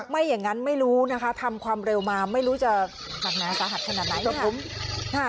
ไม่อย่างนั้นไม่รู้นะคะทำความเร็วมาไม่รู้จะหนักหนาสาหัสขนาดไหน